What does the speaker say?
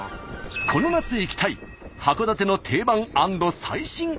この夏行きたい函館の定番＆最新。